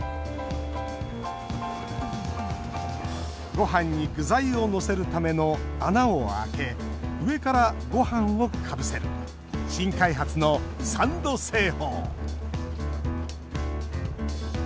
ごはんに具材をのせるための穴を開け上から、ごはんをかぶせる新開発のサンド製法。